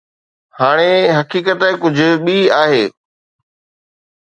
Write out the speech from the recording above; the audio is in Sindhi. هاڻي حقيقت ڪجهه ٻي آهي.